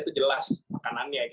itu jelas makanannya